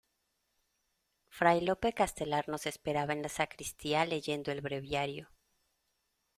fray Lope Castelar nos esperaba en la sacristía leyendo el breviario.